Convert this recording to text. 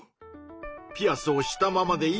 ピアスをしたままでいいのか？